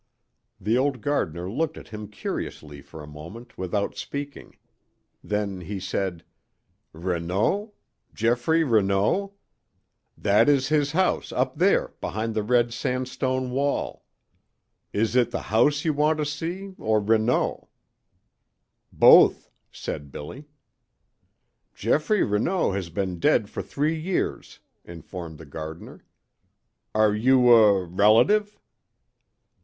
The old gardener looked at him curiously for a moment without speaking. Then he said: "Renaud? Geoffrey Renaud? That is his house up there behind the red sandstone wall. Is it the house you want to see or Renaud?" "Both," said Billy. "Geoffrey Renaud has been dead for three years," informed the gardener. "Are you a relative?"